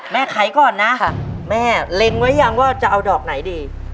ไขก่อนนะแม่เล็งไว้ยังว่าจะเอาดอกไหนดี